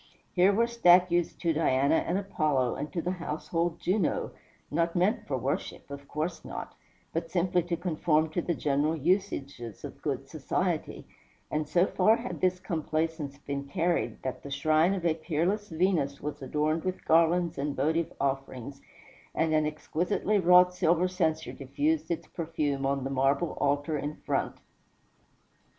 Here were statues to Diana and Apollo, and to the household Juno not meant for worship of course not but simply to conform to the general usages of good society; and so far had this complaisance been carried, that the shrine of a peerless Venus was adorned with garlands and votive offerings, and an exquisitely wrought silver censer diffused its perfume on the marble altar in front.